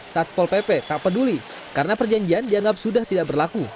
satpol pp tak peduli karena perjanjian dianggap sudah tidak berlaku